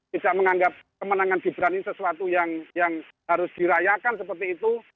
tidak menganggap kemenangan gibran ini sesuatu yang harus dirayakan seperti itu